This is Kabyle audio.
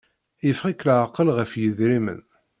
Yeffeɣ-ik laɛqel ɣef idrimen.